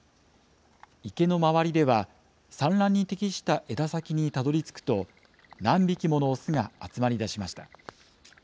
池の周りでは、産卵に適した枝先にたどりつくと、何匹もの雄が集まりだしました。